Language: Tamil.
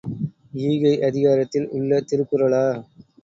ஈகை அதிகாரத்தில் உள்ள திருக்குறளா?